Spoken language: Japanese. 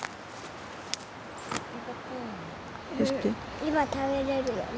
今食べれるよね。